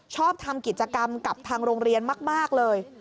ชอบทำกิจกรรมกับทางโรงเรียนมากเลย